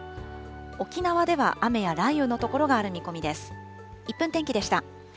沖縄では雨や雷雨の所がある見込みです。